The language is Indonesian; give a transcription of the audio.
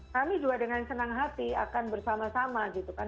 kami juga dengan senang hati akan bersama sama gitu kan